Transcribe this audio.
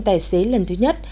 tài xế lần thứ nhất